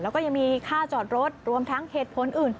แล้วก็ยังมีค่าจอดรถรวมทั้งเหตุผลอื่น